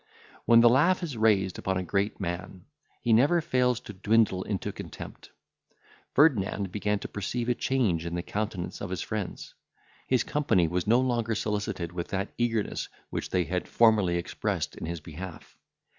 When the laugh is raised upon a great man, he never fails to dwindle into contempt. Ferdinand began to perceive a change in the countenance of his friends. His company was no longer solicited with that eagerness which they had formerly expressed in his behalf.